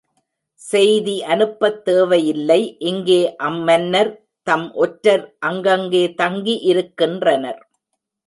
செய்தி அனுப்பத் தேவை இல்லை இங்கே அம்மன்னர் தம் ஒற்றர் அங்கங்கே தங்கி இருக்கின்றனர்.